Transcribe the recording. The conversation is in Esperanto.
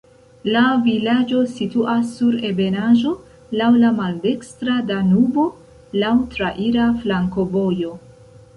La vilaĝo situas sur ebenaĵo, laŭ la maldekstra Danubo, laŭ traira flankovojo.